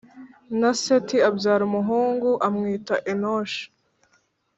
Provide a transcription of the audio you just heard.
Na Seti abyara umuhungu amwita Enoshi